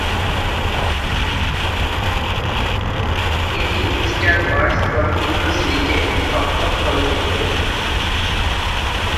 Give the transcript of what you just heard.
এটি Star Wars চলচ্চিত্র সিরিজের সপ্তম চলচ্চিত্র।